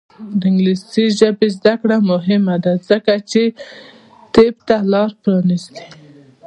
د انګلیسي ژبې زده کړه مهمه ده ځکه چې طب ته لاره پرانیزي.